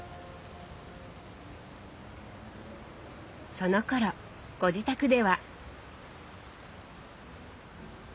そのころご自宅では。